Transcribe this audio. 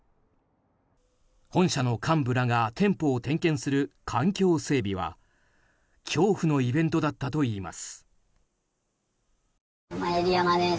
本社の幹部らが店舗を点検する環境整備は恐怖のイベントだったといいます。